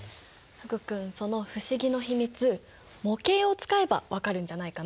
福くんその不思議の秘密模型を使えば分かるんじゃないかな？